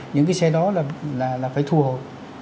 những cái xe đó là phải thu hồi